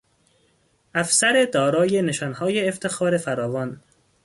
افسر دارای نشانهای افتخار فراوان